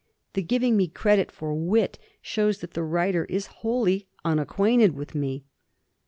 The giving me credit for wit shows that the writer is wholly unacquainted with me."